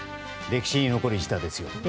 歴史に残る一打ですよ。